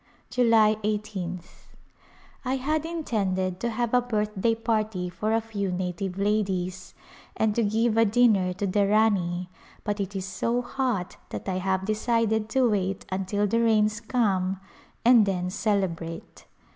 July i8th. I had intended to have a birthday party for a few native ladies and to give a dinner to the Rani but it is so hot that I have decided to wait until the rains come and then celebrate.